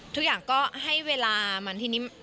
ทุกอย่างก็ให้เวลามันทีนี้